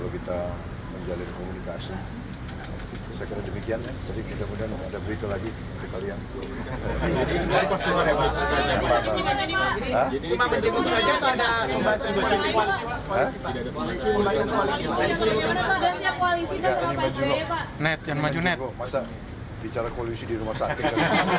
bicara koalisi di rumah sakit